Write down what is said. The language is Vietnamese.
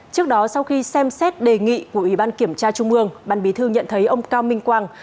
trước đó sau khi xem xét đề nghị của ủy ban kiểm tra trung ương ban bí thư nhận thấy ông cao minh quang